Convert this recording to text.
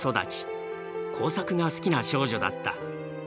工作が好きな少女だった。